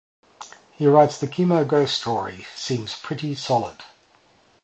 He writes the KiMo ghost story seems pretty solid.